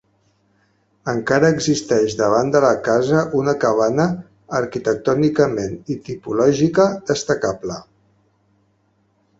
Encara existeix davant de la casa una cabana, arquitectònicament i tipològica destacable.